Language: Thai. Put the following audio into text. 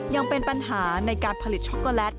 ยังเป็นปัญหาในการผลิตช็อกโกแลต